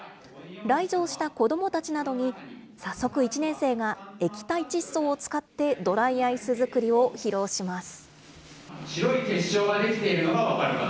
来場した子どもたちなどに早速１年生が液体窒素を使って、ドライアイス作りを披露します。